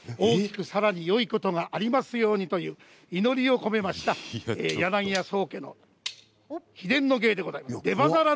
大きくさらによいことがありますようにという祈りを込めました柳家宗家の秘伝の芸でございます。